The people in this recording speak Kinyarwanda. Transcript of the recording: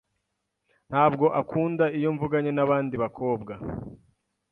Ntabwo akunda iyo mvuganye nabandi bakobwa.